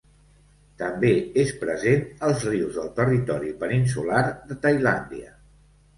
També és present als rius del territori peninsular de Tailàndia.